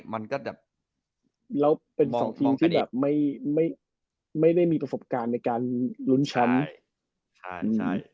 แล้วเป็นสองทีมที่ไม่ได้มีประสบการณ์ในการลุ้นชั้น